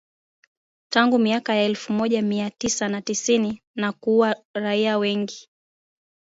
Tangu miaka ya elfu moja mia tisa na tisini na kuua raia wengi.